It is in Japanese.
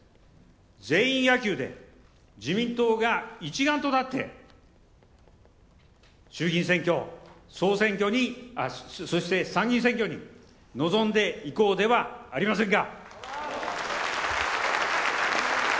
全員野球で自民党が一丸となって衆議院選挙、そして参議院選挙に臨んでいこうではありませんか。